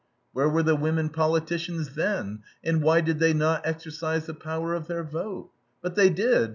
Where were the women politicians then, and why did they not exercise the power of their vote? But they did.